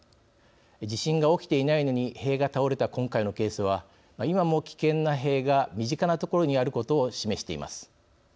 地震が起きていないのに塀が倒れた今回のケースは今も危険な塀が身近な所にあることを示しています。